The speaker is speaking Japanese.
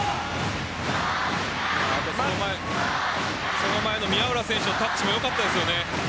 その前の宮浦選手のタッチもよかったですよね。